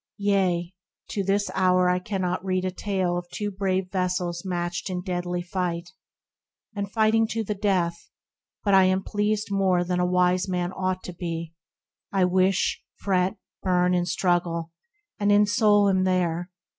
Yea, to this hour I cannot read a Tale Of two brave vessels matched in deadly fight, And fighting to the death, but I am pleased More than a wise man ought to be ; I wish, 48 THE RECLUSE Fret, burn, and struggle, and in soul am there.